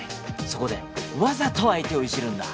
そこでわざと相手をいじるんだ。